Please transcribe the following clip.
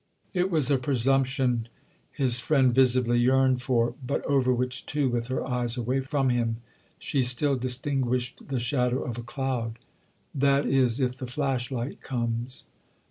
It was a presumption his friend visibly yearned for—but over which, too, with her eyes away from him, she still distinguished the shadow of a cloud. "That is if the flash light comes!"